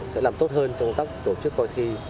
sẽ làm tốt hơn trong công tác tổ chức coi thi